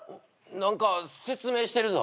何か説明してるぞ。